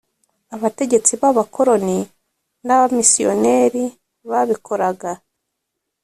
abategetsi b’ abakoroni n’ abamisiyoneri babikoraga